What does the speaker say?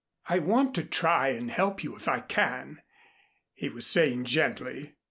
"I want to try and help you, if I can," he was saying gently.